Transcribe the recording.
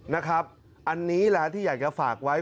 นะครับอันนี้แหละที่อยากจะฝากไว้